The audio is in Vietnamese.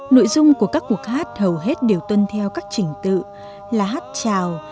nội dung của các cuộc hát hầu hết đều tuân theo các trình tự là hát chào